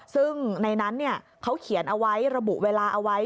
ซึ่งในนั้นเขาเขียนเอาไว้ระบุเวลาเอาไว้